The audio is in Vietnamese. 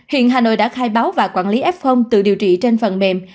hiện hà nội đã khai báo và quản lý f tự điều trị trên phần mềm